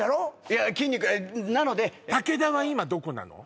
いや筋肉なので武田は今どこなの？